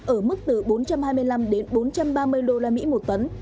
ở mức từ bốn trăm hai mươi năm đến bốn trăm ba mươi usd một tấn